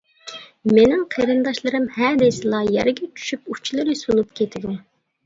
مېنىڭ قېرىنداشلىرىم ھە دېسىلا يەرگە چۈشۈپ ئۇچلىرى سۇنۇپ كېتىدۇ.